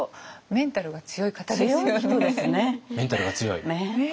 メンタルは強いですね。